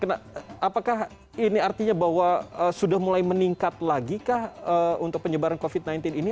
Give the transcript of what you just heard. apakah ini artinya bahwa sudah mulai meningkat lagi kah untuk penyebaran covid sembilan belas ini